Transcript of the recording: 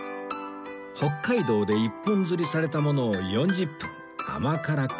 北海道で一本釣りされたものを４０分甘辛く煮込みました